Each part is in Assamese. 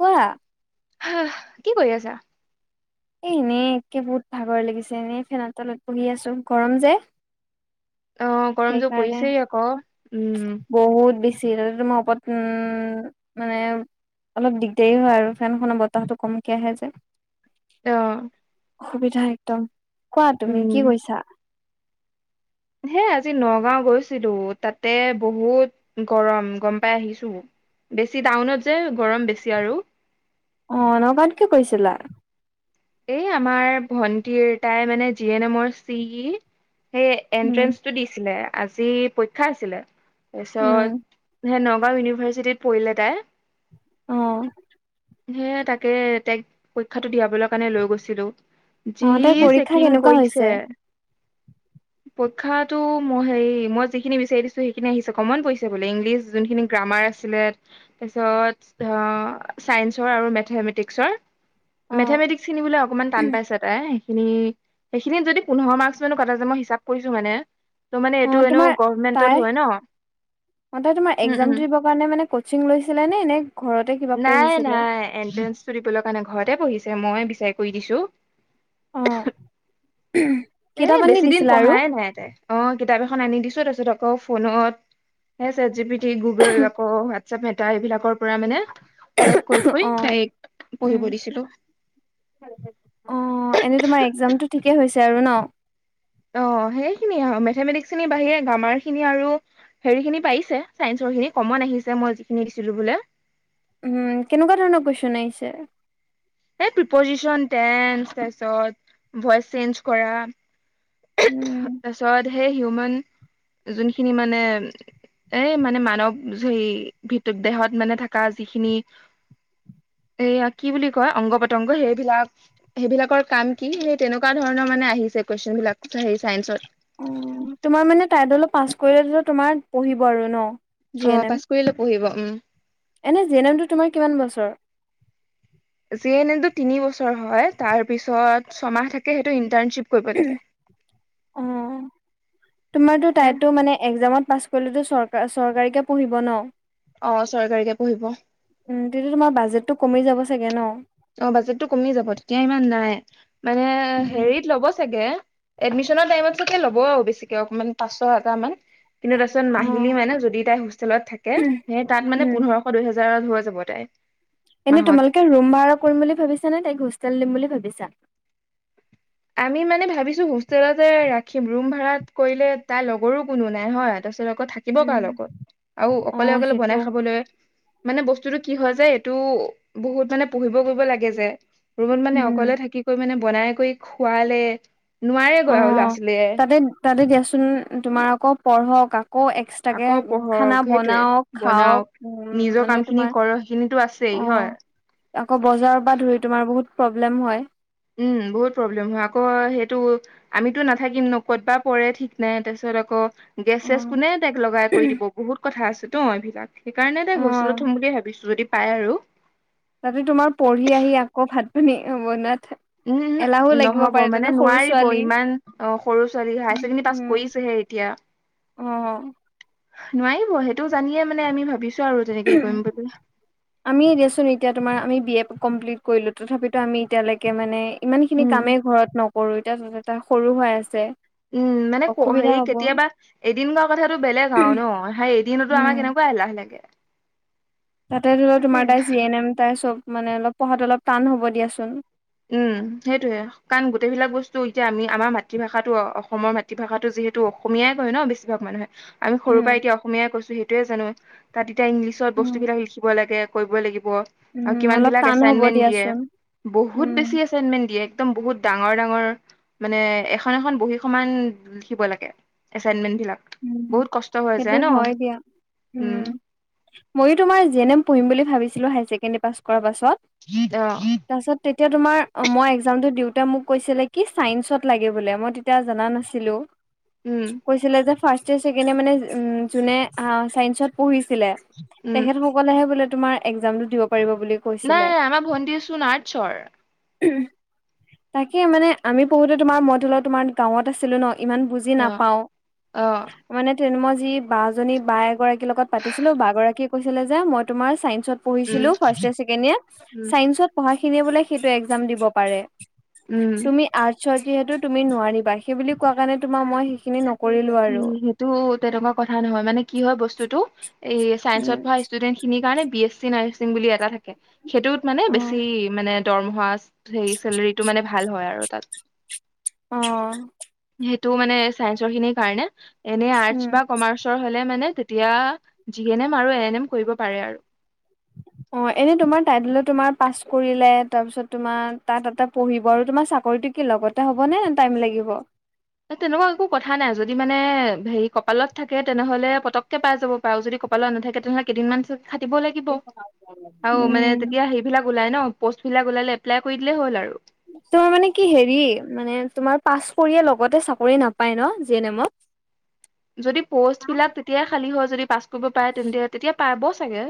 কোৱা? হা হ কি কৰি আছা? এ এনেই একে বহুত ভাগৰ লাগিছে এনে ফেনৰ তলত বহি আছো গৰম যে অ গৰম যোৰ সেইকাৰণে পৰিছেই আকৌ উম বহুত বেছি। তিল ম ওপৰত উম মানে অলপ দিগদাৰী হয় আৰু ফেনখনৰ বতাহতটো কমকে আহে যে অ, অসুবিধা একদম কোৱা তুমি কি উম কৈছা? হে আজি নগাঁও গৈছিলো তাতে বহুত গৰম গম পাই আহিছোঁ। বেছি টাউনত যে গৰম বেছি আৰু অ নগাঁৱত কিয় গৈছিলা? এই আমাৰ ভন্টিৰ তাই মানে জি এন এমৰ চি ই সেই উম এনট্ৰেঞ্চন্টো দিছিলে আজি পৰীক্ষা আছিলে। তাৰ উম পিছত হে নগাওঁ ইউনিভাৰ্চিটিত পঢ়িলে তাই। অ' হে তাকে তাইক পৰীক্ষাটো দিয়াবলৈ কাৰণে লৈ গৈছিলো। অ যি তাইৰ পৰীক্ষা চেকিং কেনেকুৱা হৈছে কৰিছে? [inaudible] পৰীক্ষাটো মই হে মই যিখিনি বিচাৰি দিছো সেইখিনি আহিছে কমন পৰিছে বোলে ইংলিছ যোনখিনি। মাৰ আছিলে তাৰ পিছত চাইনসৰ আৰু মেথমেটিকসৰ। অ মেথমেটিকছ খিনি বোলে অকণমান টান পাইছে তাই। উম, সেইখিনিত যদি পোন্ধৰ মাৰ্কচ ত' মানে অ এইটো এনেও গভমেন্টত হয় ন। মই তো তোমাৰ উম উম একজামটো দিবৰ কাৰণে মানে কচিং লৈছিলে নে নে ঘৰতে কিবা পঢ়িছিলে। এনন্ট্ৰেঞ্চটো দিব কাৰনে ঘৰতে পঢ়িছিলে মইয়ে বিচাৰি কৰি দিছো। অ কিতাপ এ আনি বেছি দিন দিছিলা আৰু পঢ়াই নাই তাই অ'। কিতাপ এখন আনি দিছো তাৰ পিছত আকৌ ফোনত চাত জিপিটি গুগোল আকৌ হুৱাট চপ মেতাৰ বিলাকৰ পৰা মানে কালেক্ট কৰি কৰি অ তাইক উম পঢ়িব দিছিলো। অ' এনেই তোমাৰ একজামতটো ঠিকেই হৈছে আৰু ন অ' সেই খিনিয়েই আউ মেথমেটিকছ খিনিৰ বাহিৰে গ্ৰামাৰ খিনি আৰু হেৰি খিনি পাৰিছে চাইনসৰ খিনি কমন আহিছে মই যিসিনি দিছিলো বোলে। উম, কেনেকুৱা ধৰণৰ কুৱেশন আহিছে। এই প্ৰিপজিচন, টেন্চ তাৰপিছত ভইচ চেঞ্জ কৰা উম তাৰপিছত সেই হিউমেন যোনখিনি মানে। এ মানে মানৱ হেই ভিত দেহত মানে থকা যিখিনিড়্য [unintelligible] এইয়া কি বুলি কয় অংগ, পতংগ সেইবিলাক সেইবিলাকৰ কাম কি সেই তেনেকুৱা ধৰণৰ মানে আহিছে। কুৱেছন বিলাক সেই চাইন্সত অ' তোমাৰ মানে তাইত অলপ পাছ কৰিলে তোমাৰ পঢ়িব আৰু ন জি এন অ' এম পাছ কৰিলে পঢ়িব উম। এনে জি এন এমটো তোমাৰ কিমান বছৰ। জি এন এমটো তিনি বছৰ হয় তাৰ পিছত ছমাহ থাকে কে সেইটো ইন্টাৰ্নচিপ কৰিব লাগে। অ' তোমাৰটো হে তাইটো মানে একজাম ত পাছ কৰিলে টো চৰ চৰকাৰীকে পঢ়িব ন অ' চৰকাৰীকে পঢ়িব। টো কমি যাব চাগে ন। অ' বাজেটটো কমি যাব তেতিয়া ইমান নাই মানে উম হেৰিত ল'ব চাগে। এডমিশ্যন টাইমত চাগে ল'ব আৰু বেছিকে অকণমান পঞ্চাছ হাজাৰ মান কিন্তু তাৰপিছত অ মাহিলী মানে যদি তাই হোষ্টেলত থাকে সেই তাত মানে উম পোন্ধৰশ দুইহেজাৰ ৰত হৈ যাব তাই। এনেই মাহত। তোমালোকে ৰুম ভাড়া কৰিম বুলি ভাবিছা নে তাইক হোষ্টেল দিম বুলি ভাবিছা। আমি মানে ভাবিছো হোষ্টেলতে ৰাখিম ৰুম ভাড়াত কৰিলে তাই লগৰো কোনো নাই হয়। তাৰপিছত থাকিব কাৰ উম লগত আৰু অ অকলে অকলে সেইটো বনাই খাবলৈ মানে বস্তুতটো কি হয় যে এইটো বহুত মানে পঢ়িব কৰিব লাগে যে ৰুমত মানে উম অকলে থাকি কৰি মানে বনাই কৰি খুৱালে নোৱাৰোৰে গে আৰু ল'ৰা ছোৱালীয়ে চোন তোমাৰ আকৌ পঢ়ক। আকৌ এক্সট্ৰাকে আকৌ খানা পঢ়ক সেইটোৱে বনাওঁক, খাওঁক। বনাওক উম, নিজৰ মানে কাম খিনি তোমাৰ কৰক সেইখিনিতো আছেই হয়। অ', আকৌ বজাৰৰ পৰা ধৰি তোমাৰ বহুত প্ৰব্লেম হয়। উম, বহুত প্ৰব্লেম হয়, আকৌ সেইটো আমিতো নাথাকিম ন ক'ত বা পৰে ঠিক নাই তাৰপিছত। তাৰিছত আকৌ গেছেছ অ', কোনে তক লগাই কৰি দিব বহুত কথা আছে তো এই বিলাক সেইকাৰণে তাই হোচেলত অ', থ'ম বুলিয়ে ভাবিছো যদি পাই আৰু। তাতে তোমাৰ পঢ়ি আহি আকৌ ভাত-পানী বনাত। উম উম নহব মানে সৰু নোৱাৰিব ছোৱালী ইমান অ সৰু ছোৱালী হায়াৰ ছেকেণ্ডাৰী পাছ কৰিছেহে। এতিয়া উম। নোৱাৰিব সেইটো জানিয়ে মানে আমি ভাবিছো আৰু তেনেকে কৰিম বুলি। আমিয়ে দিয়াচোন এতিয়া তোমাৰ আমি বি এ কমপ্লিট কৰিলো তথাপিটো আমি এতিয়ালৈকে ইমান খিনি উম কামেই ঘৰত নকৰোঁ এতিয়া যটা সৰু হৈ আছে। উম মানে ক অসুবিধা হেৰি হ'ব কেতিয়াবা এদিন গোৱাৰ কথাটো বেলেগ আৰু ন সেই এদিনতো উম। আমাৰ কেনেকুৱা? লাহেকে? তাতে ধৰি লওঁ তোমাৰ তাই জি এন এম তাই চব মানে অলপ পঢ়াটো অলপ টান হ'ব দিয়াচোন। উম, সেইটোৱে কাৰণ গোটেইবিলাক বস্তু এতিয়া আমি আমাৰ মাতৃভাষাটো অসমৰ মাতৃভাষাটো যে যিহেতু অসমীয়াই কয় ন' বেছিভাগ মানুহে। আমি সৰুৰ পৰা উম, এতিয়া অসমীয়াই কৈছো সেইটোৱে জানো তাত এতিয়া ইংলিছত উম। বস্তুবিলাক লিখিব লাগে। কৰিবই লাগিব আৰু উম, অলপ কিমানবিলাক টান হ'ব এচাইনমেন্ট দিয়ে দিয়াচোন বহুত উম। বেছি এচাইনমেন্ট দিয়ে একদম বহুত ডাঙৰ ডাঙৰ মানে এখন এখন বহী সমান লিখিব লাগে এচাইনমেন উম, বহুত কষ্ সেইটো হয় দিয়া, উম, ময়ো তোমাৰ জিন এম পঢ়িম বুলি ভাবিছ ছিলো হাই চেকেণ্ডাৰী পাছ কৰাৰ অ পাছত তেতিয়া তোমাৰ মই একজামটো দিওঁ তেওঁ মোক কৈছিলে কি চাইন্সত লাগে বোলে মই তেতিয়া জানা নাছিলো, উম কৈছিল যে ফাৰ্ষ্ট ইয়াৰ চেকেণ্ড ইয়াৰ মানে উম, যোনে অ', চাইঞ্চত পঢ়িছিলে উম তেখেতসকলেহে বোলে তোমাৰ একজামটো দিব পাৰিব বুলি নাই, কৈছিলে। নাই আমাৰ ভণ্টি চোন আৰ্টচৰ। তাকে মানে আমি পঢ়োতে তোমাৰ মই ধৰি লওঁ তোমাৰ গাঁৱত আছিলোঁ ন'। ইমান বুজি অ নাপাওঁ অ মানে তেনে মই যি বা এগৰাকীৰ লগত পাতিছিলো বাগৰাকী কৈছিলে যে মই তোমাৰ চাইন্ চত উম পঢ়িছিলো ফাৰ্ষ্ট ইয়াৰ ছেকেণ্ড ইয়াৰ, উম চাইন্সত পঢ়াখিনিয়ে বোলে সেইটো এক্সাম দিব পাৰে। সি তুমি আৰ্টচৰ যিহেতু তুমি নোৱাৰিবা সেই বুলি কোৱা কাৰণে তোমাৰ মই সেইখিনি ন কৰিলো আৰু। টো তেনেকুৱা কথা নহয় মানে কি হয় বস্তুটো এই চাইন্সত পঢ়া ষ্টুডেন্টখিনিৰ কাৰণে বিএছ চি নাৰ্ছিং বুলি এটা থাকে সেইটোত মানে অ বেছি মানে দৰমহা সেই চেলেৰিটো মানে ভাল হয় আৰু তাত। অ'। সেইটো মানে, চাইন্সৰ খিনিৰ কাৰণে। এনেই উম আৰ্টচ বা কমাৰ্চৰ হলে মানে তেতিয়া, জি এন এম আৰু এ এন এম কৰিব পাৰে আৰু। [inaudible] অ', এনে তোমাৰ টাইতলে তোমাৰ পাছ কৰিলে, তাৰপিছত তোমাৰ, তাত এটা পঢ়িব আৰু তোমাৰ চাকৰিটো কি লগতে হ'ব নে, টাইম লাগিব?। তেনেকুৱা একো কথা নাই। যদি মানে, হেৰি কপালত থাকে তেনেহলে, পতককে পাই যাব পাৰো যদি কপালত নাথাকে তেনেহলে কেইদিনমান খাটিব লাগিব। আৰু মানে উম তেতিয়া হেৰিবিলাক ওলাই ন'। প'ষ্টবিলাক ওলালে, এপলাই কৰি দিলেই হ'ল আৰু। তোমাৰ মানে কি হেৰি, মানে, তোমাৰ পাছ কৰিয়ে লগতে চাকৰি নাপায় ন', জি এন এমত?। [inaudible] যদি পৌষ্ট বিলাক, তেতিয়াই খালি হয় যদি পাছ কৰিব পৰে তেন্তে, তেতিয়া পাব চা চাগে।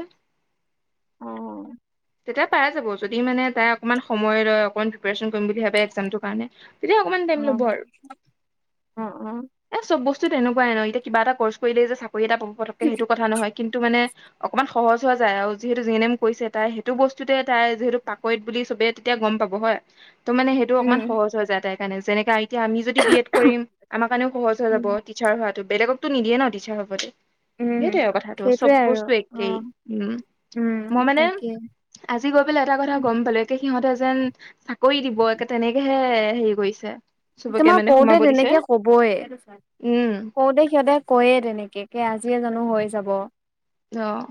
অ', তেতিয়া পাই যাব, যদি মানে তাই অকমান সময় লয়, অকমান প্ৰিপায়েছন কৰিম বুলি ভাবে এক'জামটোৰ কাৰণে তেতিয়া অকমান টাইম অ', ল'ব আৰু। অ', এ চব বস্তু তেনেকুৱাই ন', এতিয়া কিবা এটা কৰ্চ কৰিলেই যে চাকৰি এটা পাব পতকে, সেইটো কথা নহয়। কিন্তু মানে অকমান সহজ হোৱা যায় আৰু, যিহেতু জি এন এম কৰিছে তাই হে ইটো বস্তুতে তাই, যিহেতু পাকৈত বুলি চবেই তেতিয়া গম পাব হয়। ত' মানে সেইটো অকমান উম, সহজ হৈ যায় তাই ৰ কাৰণে, যেনেকে এতিয়া আমি যদি বি এড কৰিম, আমাৰ কাৰণেও সহজ হৈ যাব, উম, টিচাৰ হোৱা তো, বেলেগকতো নিদে ন' টীছাৰ হবলে। উম। সেইটোৱে আৰু কথাটো, চব সেইটোৱে আৰু বস্তু একেই, অ', উম, উম, মই মানে তাকে আজি গৈ পেলাই এটা কথা গম পালো একে সিহঁতে যেন, চাকৰি দিবে তেনেকেহে হে-হেৰি কৰিছে। চবকে তোমাৰ মানে কওঁতে সোমাব দিছে তেনেকে কব'ই। উম কওঁতে সিহঁতে কৈয়ে তেনেকে, কে আজিয়ে জানো হৈ যাব। অ',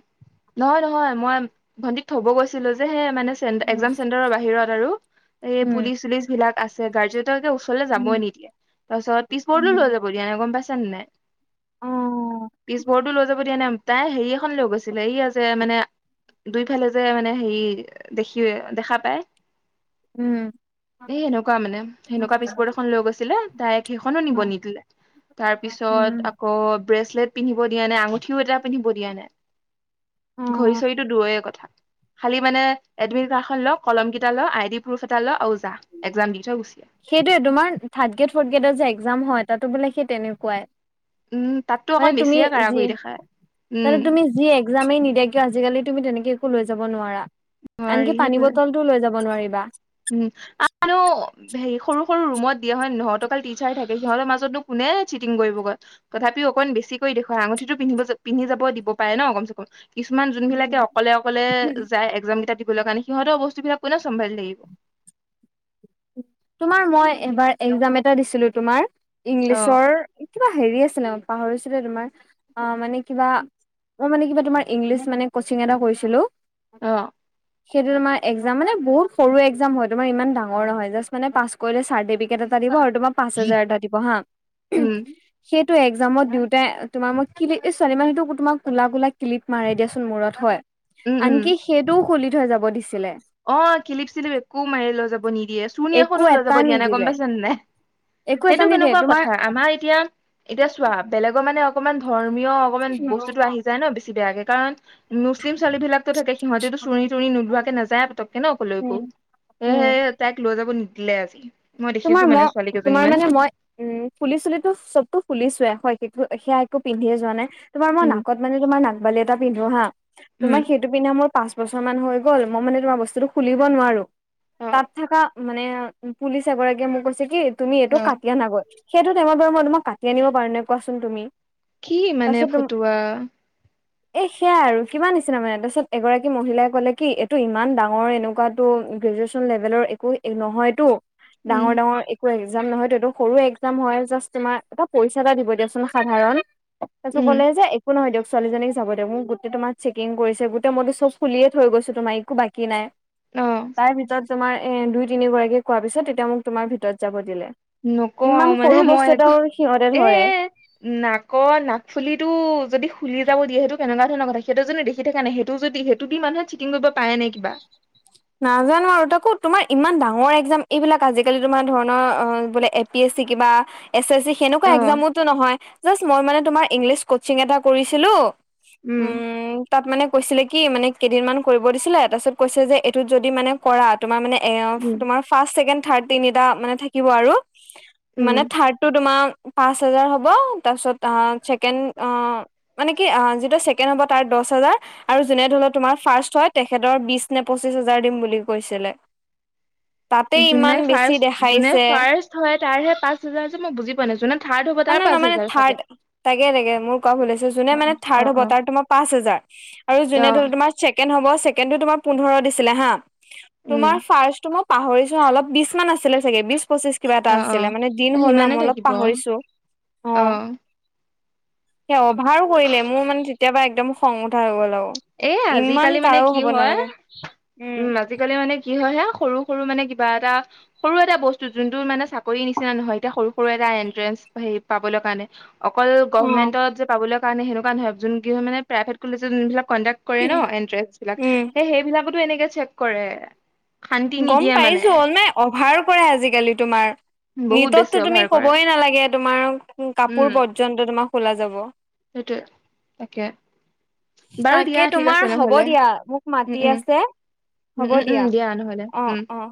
নহয়-নহয়, মই, ভন্টিক থব গৈছিলো যে, হে মানে চে, উম, একজাম চেণ্টাৰৰ বাহিৰত আৰু। এই পুলিচ উম, চুলিছ ভিলাক আছে গাৰ্জেন ত ওচৰলৈ যাবই উম, নিদিয়ে, তাৰ পিছত, পিছবৰ্দো উম, লৈ যাব দিয়া নাই গম পাই চ নাই, অ', পিছবৰ্দো লৈ যাব দিয়া নাই। তাই হেৰি এখন লৈ গইছিলে, এই আ', যে মানে দুইফালে যে, মানে হেৰি, দেখি দেখা পায়। উম। এ সেনেকুৱা মানে, সেনেকুৱা পিছবৰ্ড এখন লৈ গৈছিলে। তাইক সেইখনো, নিব নিদিলে। তাৰ পিছত উম, আকৌ, ব্ৰেচলেট পিন্ধিব দিয়া নাই, আঙ পিন্ধিব দিয়া নাই। ঘড়ী অ'। চৰিটো দূৰৰে কথা। খালি মানে, এডমিট কাৰখ' লক, কলম কিটা ল', আইডি প্ৰুফ এটা ল', আৰু যা, একযাম দি থই গো সেইটোৱে তোমাৰ, থাৰ্ড গ্ৰেড, ফৰ্থ গ্ৰেডৰ যে একজাম হয়, তাতো বোলে সেই তেনেকুৱাই। উম তাততো মানে অকণ তুমি, বেছিয়ে কাৰা যি, কৰি দেখায় উম মানে তুমি যি একজামে নি দে কিয়, আজিকালি তুমি তেনেকে একো লৈ যাব নোৱাৰা। নোৱাৰি আনকি, পানী সেইটোৱে বটল টোও লৈ যাব নোৱাৰিবা। উম মানো হেৰি সৰু সৰু ৰুমত দিয়ে হয় নহয়, ত অকল টিচাৰ থাকে। সিহঁতৰ মাজতনো কোনে, চিটিং কৰিব গৈ তথাপিও অকন বেছিকৈ কৰি দেখোৱাই, আঙঠিটো পিন্ধিব য পিন্ধি যাব পাৰে ন' কমচে কম। কিছুমান যোনবিলাকে অকলে অকলে, যায় একজাম কেইটা দিবলৈ কাৰণে, সিহঁতৰ বস্তু বিলাক কোনে চম্ভালি থাকিব। তোমাৰ মই, এবাৰ একজাম এটা দিছিলো তোমাৰ, অ ইংলিছৰ কিবা হেৰি আছ ছিলে, পাহৰিছোঁ দে তোমাৰ, আ', মানে কিবা মই মানে কিবা তোমাৰ, ইংলিছ মানে কচিং এটা কৰিছিলো। অ। সেইটো তোমাৰ একজাম মানে বহুত সৰু একজাম হয়, তোমাৰ ইমান ডাঙৰ নহয় জাষ্ মানে পাছ কৰিলে, চাৰ্টিফিকেট এটা দিব। আৰু তোমাৰ পাঁচ হাজাৰ এটা দিব হা। উম সেইট টো একজামত দিওঁতে, তোমাৰ মই ক্লি, এই ছোৱালী মানহতো তোমাৰ, কোলা-কোলা, ক্লিপ মাৰে দিয়াচোন, মূৰত হয়। উম আনকি, উম সেইটোও খুলি থৈ যাব দিছিলে। অ', কিলিপ চিলিপ একো মাৰি লৈ যাব নিদিয়ে। চুৰ্ণী একো এখনো লৈ এটা যাব দিয়া নাই, গম নিদিলে পাইছানে নাই। একো এটা সেইটো নিদিয়ে কেনেকুৱা তোমাৰ কথা আমাৰ এতিয়া এতিয়া চোৱা বেলেগৰ মানে অকমান ধৰ ৰ্মীয় অকমান বস্তুটো আহি যায় ন বেছি বেয়াকে কাৰণ মুছলিম ছোৱালী বিলাকতো থাকে সিহঁতেতো চুৰ্নী তুৰ্নী নোলোৱাকে নাযায় পতকে ন কলৈকো উম এ উম সেহে তাইক লৈ যাব নিদিলে আজি মই তোমাৰ দেখিছো মানে মই ছোৱালী তোমাৰ কেইজনীমান মানে মই উম ফুলি চুলি তো চবতো খুলিছোয়ে হয় সেকো সেয়া একো পিন্ধিয়ে যোৱা নাই তোমাৰ মই উম নাকত মানে তোমাৰ নাকবালি এটা পিন্ধো হা উম তোমাৰ সেইটো পিন্ধা মোৰ পাঁচ বছৰ মান হৈ গল মই মানে তোমাৰ বস্তুটো খুলিব নোৱাৰো অ তাত থাকা মানে পুলিচ এগৰাকীয়ে মোক কৈছে কি তুমি এইটো কাটি আনাগৈ সেইটো টাইমত বাৰু মই তোমাক কাটি আনিব পাৰো নে কোৱাচোন তুমি কি মানে ফটুৱা। এ সেয়াই আৰু কিমান নিচিনা মানে তাৰপিছত এগৰাকী মহিলাই কলে কি এইটো ইমান ডাঙৰ এনেকুৱাতো গেজুৱেছন লেভেলৰ একো নহয়তো উম ডাঙৰ ডাঙৰ একো নহয়টো সৰু একজাম হয় জাষ্ট তোমাৰ এটা পইচা এটা দিব দিয়াচোন সাধাৰণ। তাৰপিছত উম ক'লে যে একো নহয় দিয়ক ছোৱালীজনীক যাব দে মোক গোটেই তোমাৰ চেকিং কৰিছে গোটেই মইটো খুলিয়ে থৈ গৈছোঁ তোমাৰ একো বাকী নাই। অ তাৰ ভিতৰত তোমাৰ এ দুই তিনি গৰাকী কোৱা পিছত তেতিয়া মোক তোমাৰ ভিতৰত যাব দিলে। নকওঁ ইমান আৰু মানে সৰু মই বস্তু একো এটা এ নাকৰ নাকফুলিটো যদি খুলি যাব দিয়ে সেইটো কেনেকুৱা ধৰণৰ কথা সেইটো যদি দেখি থাক নাই সেইটো যদি সেইটো দি মানুহে চিটিং কৰিব পাৰে নেকি কিবা। নাজানো আৰু তাকো তোমাৰ ইমান ডাঙৰ একজাম এইবিলাক আজিকালি তোমাৰ ধৰণৰ অ বোলে এ পি এ কিবা এছ এছ চি সেনেকুৱা অ একজামোটো নহয় জাষ্ট মই মানে তোমাৰ ইংলিছ কচিং এটা কৰিছিলো। উম তাত মানে কৈছিলে কি মানে কেইদিন মান কৰিব দিছিলে তাৰপিছত কৈছে যে এইটোত যদি মানে কৰা তোমাৰ মানে এ উম তোমাৰ ফাৰ্ষ্ট ছেকেণ্ড থাৰ্ড তিনিটা মানে থাকিব আৰু। উম, মানে থাৰ্ডটো তোমাৰ পাচ হাজাৰ হব তাৰপিছত অ ছেকেণ্ড অ মানে কি যিটো চছেকেণ্ড হব তাৰ দহ দচ হাজাৰ আৰু যোনে ধৰিলোৱা তোমাৰ ফাৰ্ষ্ট হয় তেখেতৰ বিছ নে পঁচিশ হাজাৰ দিম বুলি কৈছিলে। তাতে ইমান যোনে বেছি ফাৰ্ষ্ট যোনে দেখাইছে ফাৰ্ষ্ট হয় তাৰহে পাঁচ হাজাৰ যে মই বুজি পোৱা নাই যোনে থাৰ্ড হ'ব অ তাৰ নাই পাঁচ নাই মানে হেজাৰ চাগে থাৰ্ড তাকে তাকে মোৰ কোৱা ভুল হৈছে যোনে অ মানে থাৰ্ড অ হ'ব অ তাৰ তোমাৰ পাঁচ হাজাৰ। আৰু যোনে অ ধৰি তোমাৰ চেকেণ্ড হ'ব ছেকেণ্ডটো তোমাৰ পোন্ধৰ দিছিলে হা উম তোমাৰ ফাৰ্ষ্টটো মই পাহৰিছোহা অলপ বিশ মান আছিলে চাগে বিচ প্ৰচেষ্ট কিবা এটা অ অ আছিলে মানে দিন হ'ল না মই অলপ পাহৰিছোঁ। অহ' সেই অভাৰো কৰিলে মোৰ মানে তেতিয়া পৰা একদম খং উঠা হৈ গ'ল আৰু এ ইমান আজিকালি মানে কাৰোঁ কি হ'ব হয় নালাগে। উম, আজিকালি মানে কি হয় হেয়া সৰু সৰু মানে বা এটা সৰু এটা বস্তু যোন মানে চাকৰি নিচিনা নহয়। এতিয়া সৰু সৰু এটা এণ্ট্ৰেঞ্চ হেই পাবলৈ কাৰণে অকল অ গভমেণ্টত যে পাবলৈ কাৰণে সেনেকুৱা নহয়, যোন গিল মানে প্ৰাইভেট প্ৰাইভেট খোলিছে যোৱা বিলাক কন্টেক্ট কৰে ন এণ্ট্ৰেঞ্চ বিলাক উম হেই সেইবিলাকতো এনেকে চেক কৰে। শান্তি গ'ম নিদিয়ে মানে পাইছোঁ অল নাই অভাৰ কৰে আজিকালি তোমাৰ বহুত বেছি নিটততো অভাৰ তুমি কৰে কবই নালাগে, তোমাৰ কাপোৰ পৰ্যন্ত তোমাৰ খোলা যাব। সেইটোৱে তাকে বাৰু দিয়া তাকে, ঠিক আছে তোমাৰ হ'ব নহলে দিয়া মোক উম মাতি উম আছে। উম হ'ব উম উম দিয়া নহলে অ' উম অ'